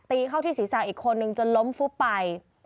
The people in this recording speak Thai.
เข้าที่ศีรษะอีกคนนึงจนล้มฟุบไป